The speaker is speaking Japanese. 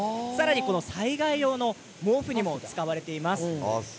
災害用の毛布にも使われています。